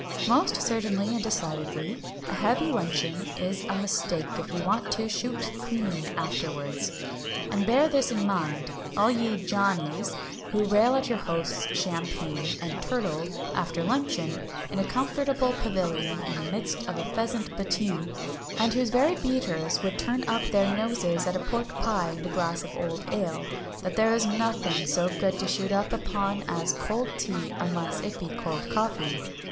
Most certainly and decidedly, a heavy luncheon is a mistake if you want to "shoot clean" afterwards. And bear this in mind, all ye "Johnnies" who rail at your host's champagne and turtle, after luncheon, in a comfortable pavilion in the midst of a pheasant battue, and whose very beaters would turn up their noses at a pork pie and a glass of old ale, that there is nothing so good to shoot upon as cold tea, unless it be cold coffee.